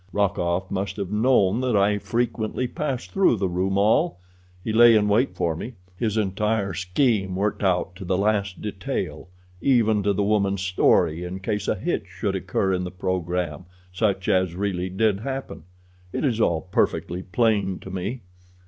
Rokoff must have known that I frequently passed through the Rue Maule. He lay in wait for me—his entire scheme worked out to the last detail, even to the woman's story in case a hitch should occur in the program such as really did happen. It is all perfectly plain to me."